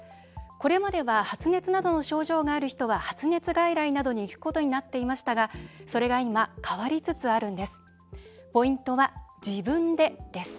これまでは発熱などの症状がある人は発熱外来などに行くことになっていましたがそれが今、変わりつつあるんです。